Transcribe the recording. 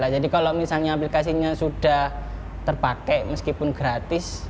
jadi kalau misalnya aplikasinya sudah terpakai meskipun gratis